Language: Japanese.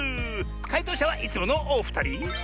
かいとうしゃはいつものおふたり。